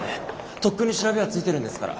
とっくに調べはついてるんですから。